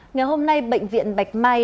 ngày hôm nay bệnh viện bạch mai